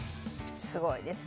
すごいですね